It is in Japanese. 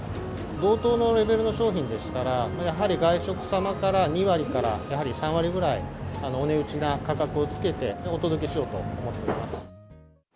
同等のレベルの商品でしたら、やはり外食様から２割からやはり３割ぐらい、お値打ちな価格をつけてお届けしようと思っています。